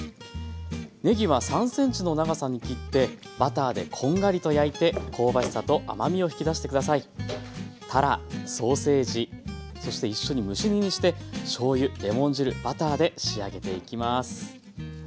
ねぎは３ｃｍの長さに切ってバターでこんがりと焼いて香ばしさと甘みを引き出して下さい。たらソーセージそして一緒に蒸し煮にしてしょうゆレモン汁バターで仕上げていきます。